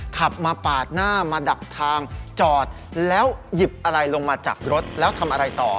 ขับมาปาดหน้ามาดักทางจอดแล้วหยิบอะไรลงมาจากรถแล้วทำอะไรต่อ